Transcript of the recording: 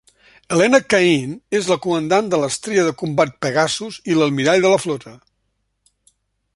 Helena Cain és la comandant de l'Estrella de Combat "Pegasus" i almirall de la flota.